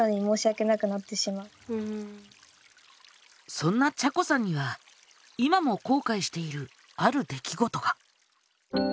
そんなちゃこさんには今も後悔している「ある出来事」が。